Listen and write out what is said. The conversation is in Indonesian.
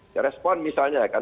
ya respond misalnya kan